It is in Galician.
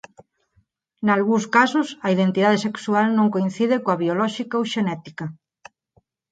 Nalgúns casos a identidade sexual non coincide coa biolóxica ou xenética.